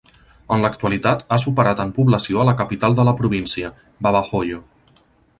En l'actualitat, ha superat en població a la capital de la província, Babahoyo.